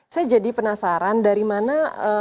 saya jadi penasaran dari mana